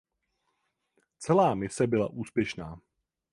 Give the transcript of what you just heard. Celá mise byla úspěšná.